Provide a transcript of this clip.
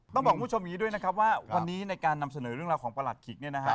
ต้องบอกคุณผู้ชมอย่างนี้ด้วยนะครับว่าวันนี้ในการนำเสนอเรื่องราวของประหลัดขิกเนี่ยนะฮะ